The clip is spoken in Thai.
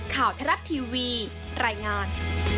ข่าวทรัพย์ทีวีรายงาน